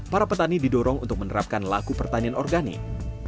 para petani didorong untuk menerapkan laku pertanian organik